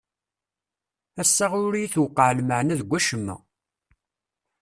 Ass-a ur iyi-tewqeɛ lmeɛna deg wacemma.